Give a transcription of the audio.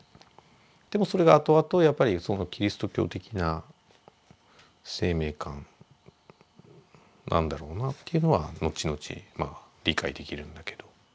でもそれがあとあとやっぱりキリスト教的な生命観なんだろうなというのは後々理解できるんだけど。